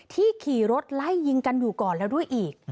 ขี่รถไล่ยิงกันอยู่ก่อนแล้วด้วยอีก